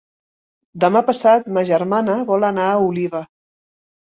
Demà passat ma germana vol anar a Oliva.